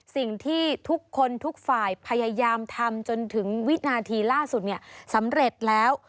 สิ่งที่ทุกคนทุกฝ่ายพยายามทำจนถึงวินาทีล่าสุดเนี่ยสำเร็จแล้ว